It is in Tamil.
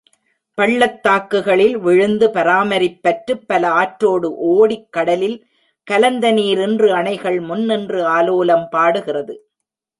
பள்ளத்தாக்குகளில் விழுந்து பராமரிப்பற்று பல ஆற்றோடு ஓடி கடலில் கலந்த நீர் இன்று அணைகள் முன்நின்று ஆலோலம் பாடுகிறது.